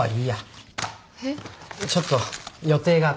ちょっと予定があって。